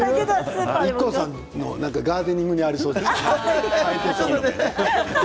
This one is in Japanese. ＩＫＫＯさんのガーデニングにありそう。